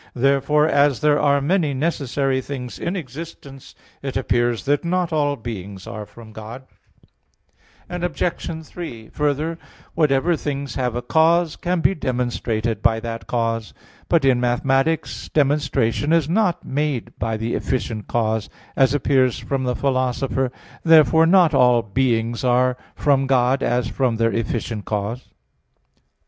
Therefore as there are many necessary things in existence, it appears that not all beings are from God. Obj. 3: Further, whatever things have a cause, can be demonstrated by that cause. But in mathematics demonstration is not made by the efficient cause, as appears from the Philosopher (Metaph. iii, text 3); therefore not all beings are from God as from their efficient cause.